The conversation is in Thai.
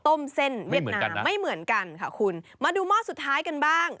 เส้นเวียดนามไม่เหมือนกันค่ะคุณมาดูหม้อสุดท้ายกันบ้าง